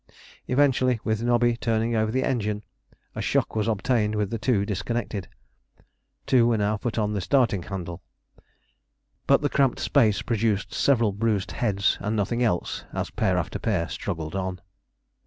Eventually, with Nobby turning over the engine, a shock was obtained with the two disconnected. Two were now put on to the starting handle. But the cramped space produced several bruised heads and nothing else as pair after pair struggled on.